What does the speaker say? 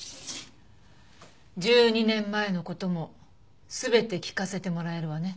１２年前の事も全て聞かせてもらえるわね？